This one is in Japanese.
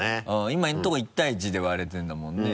今のとこ１対１で割れてるんだもんね。